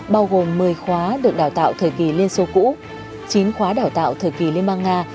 bao gồm một mươi khóa được đào tạo thời kỳ liên xô cũ chín khóa đào tạo thời kỳ liên bang nga